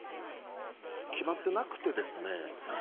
決まってなくてですね。